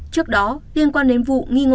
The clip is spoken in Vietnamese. trước đó liên quan đến vụ nghi ngộ